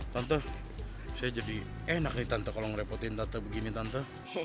tante saya jadi enak nih tante kalau ngerepotin tante begini tante